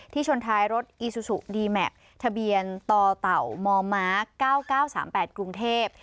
ชนท้ายรถอีซูซูดีแม็กซ์ทะเบียนต่อเต่ามม๙๙๓๘กรุงเทพ